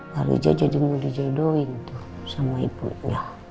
pariwija jadi muli jodohin tuh sama ibunya